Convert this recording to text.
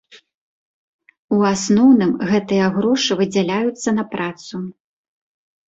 У асноўным гэтыя грошы выдзяляюцца на працу.